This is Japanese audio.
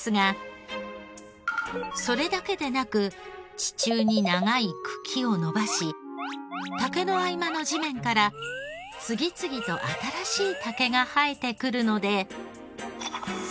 それだけでなく地中に長い茎を伸ばし竹の合間の地面から次々と新しい竹が生えてくるので。